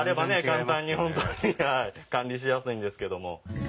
簡単に本当に管理しやすいんですけども。